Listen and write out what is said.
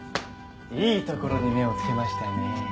いいところに目をつけましたねえ。